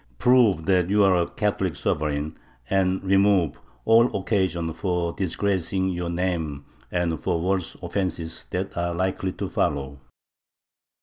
Prove that you are a Catholic sovereign, and remove all occasion for disgracing your name and for worse offenses that are likely to follow.